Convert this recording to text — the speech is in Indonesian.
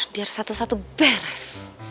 biar satu satu beres